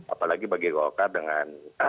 apalagi bagi golkar dengan